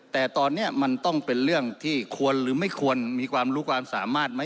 แต่ตอนนี้มันต้องเป็นเรื่องที่ควรหรือไม่ควรมีความรู้ความสามารถไหม